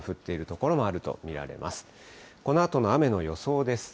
このあとの雨の予想です。